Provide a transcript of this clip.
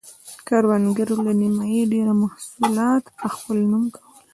کروندګرو له نییمه ډېر محصولات په خپل نوم کول.